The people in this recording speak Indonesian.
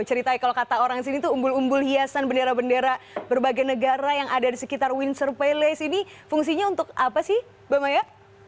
ceritain kalau kata orang sini tuh umbul umbul hiasan bendera bendera berbagai negara yang ada di sekitar windsor paylace ini fungsinya untuk apa sih mbak maya